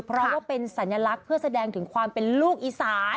เพราะว่าเป็นสัญลักษณ์เพื่อแสดงถึงความเป็นลูกอีสาน